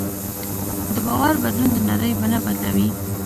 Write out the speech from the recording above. د باور بدلون د نړۍ بڼه بدلوي.